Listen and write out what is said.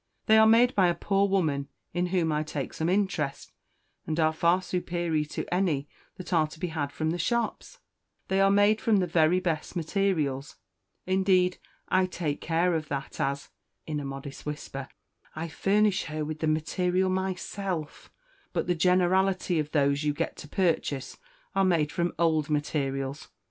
They are made by a poor woman in whom I take some interest, and are far superior to any that are to be had from the shops. They are made from the very best materials. Indeed, I take care of that, as" (in a modest whisper) "I furnish her with the material myself; but the generality of those you get to purchase are made from old materials.